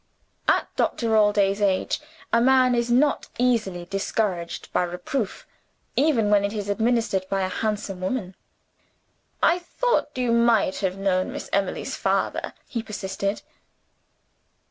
At Doctor Allday's age a man is not easily discouraged by reproof, even when it is administered by a handsome woman. "I thought you might have known Miss Emily's father," he persisted.